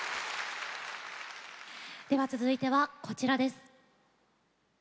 続いては、こちらです。